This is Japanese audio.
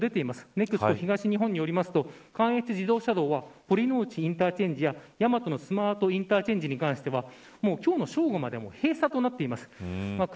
ＮＥＸＣＯ東日本によると関越自動車道は堀之内インターチェンジや大和のスマートインターチェンジに関しては今日の正午まで閉鎖となっています。